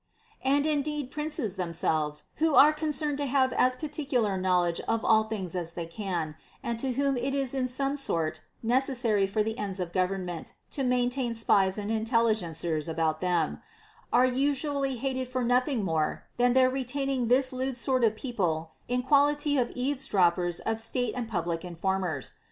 16. And indeed princes themselves — who are con cerned to have as particular knowledge of all things as they can, and to whom it is in some sort necessary for the ends of government to maintain spies and intelligencers about them — are yet usually hated for nothing more than their retaining this lewd sort of people in quality of eaves droppers of state and public informers.